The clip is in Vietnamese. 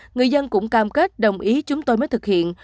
người dân cũng cam kết đồng ý chúng tôi mới thực hiện